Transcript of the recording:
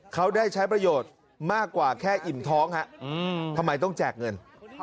เขาได้ใช้ประโยชน์มากกว่าแค่อิ่มท้องฮะทำไมต้องแจกเงิน